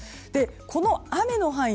この雨の範囲